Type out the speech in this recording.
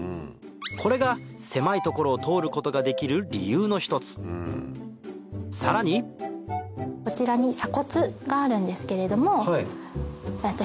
これが狭い所を通ることができる理由のひとつさらにこちらに鎖骨があるんですけれども。